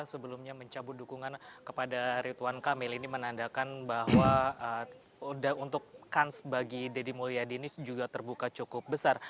sebelumnya mencabut dukungan kepada ridwan kamil ini menandakan bahwa untuk kans bagi deddy mulyadi ini juga terbuka cukup besar